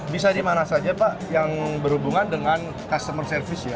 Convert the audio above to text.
bisa di mana saja pak yang berhubungan dengan customer service ya